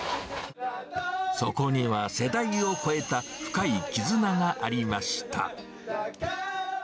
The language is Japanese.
そこには世代を超えた、深い絆がありました。